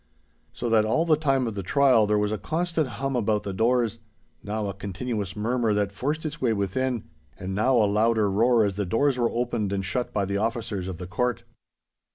So that all the time of the trial there was a constant hum about the doors—now a continuous murmur that forced its way within, and now a louder roar as the doors were opened and shut by the officers of the court.